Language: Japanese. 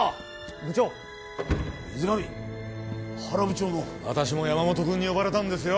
部長水上原部長も私も山本君に呼ばれたんですよ